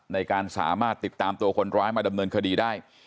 ในการสามารถติดตามตัวคนร้ายมาดำเนินคดีได้